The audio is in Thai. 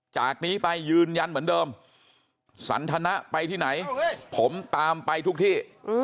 จากนี้ไปยืนยันเหมือนเดิมสันทนะไปที่ไหนผมตามไปทุกที่